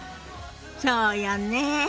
そうよね。